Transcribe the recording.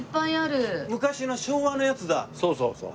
そうそうそう。